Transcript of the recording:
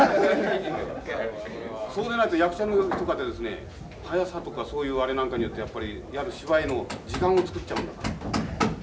そうでないと役者の速さとかそういうあれなんかによってやっぱり芝居の時間をつくっちゃうんだから。